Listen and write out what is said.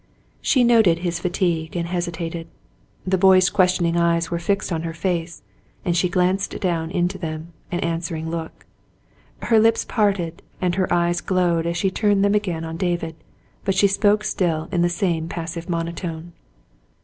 She noted his fatigue and hesitated. The boy's question ing eyes were fixed on her face, and she glanced down into them ^ an answering look. Her lips parted, and her eyes glowed as she turned them again on David, but she spoke still in the same passive monotone.